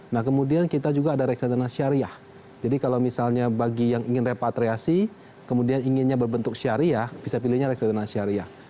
nah kemudian kita juga ada reksadana syariah jadi kalau misalnya bagi yang ingin repatriasi kemudian inginnya berbentuk syariah bisa pilihnya reksadana syariah